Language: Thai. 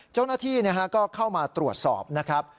เจ้าหน้าที่ก็เข้ามาตรวจสอบนะครับ